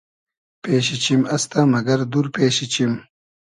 پېشی چیم استۂ مئگئر دور پېشی چیم